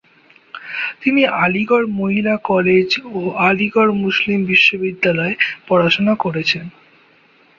তিনি আলিগড় মহিলা কলেজ ও আলিগড় মুসলিম বিশ্ববিদ্যালয়ে পড়াশোনা করেছেন।